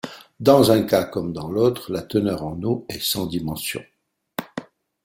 Dans un cas comme dans l'autre la teneur en eau est sans dimension.